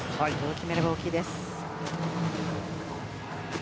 決めれば大きいです。